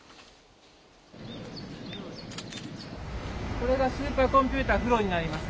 これがスーパーコンピューター、不老になります。